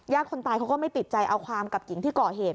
คนตายเขาก็ไม่ติดใจเอาความกับหญิงที่ก่อเหตุ